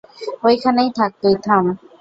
ঐখানেই থাক তুই, থাম।